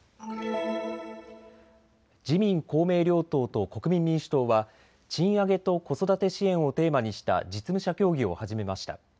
自民・公明両党と国民民主党は賃上げと子育て支援をテーマにした実務者協議を始めました。